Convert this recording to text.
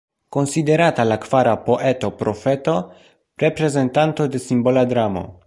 Konsiderata la kvara poeto-profeto, reprezentanto de simbola dramo.